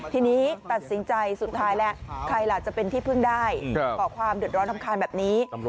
ทีนี้ตัดสินใจสุดท้ายแล้วใครล่ะจะเป็นที่พึ่งได้ก่อความเดือดร้อนรำคาญแบบนี้